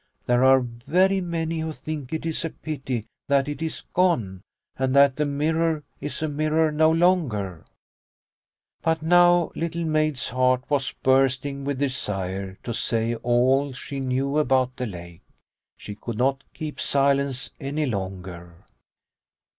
There are very many who think it is a pity that it is gone and that the mirror is a mirror no longer." But now Little Maid's heart was bursting with desire to say all she knew about the lake ; she could not keep silence any longer.